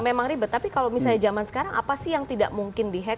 memang ribet tapi kalau misalnya zaman sekarang apa sih yang tidak mungkin di hack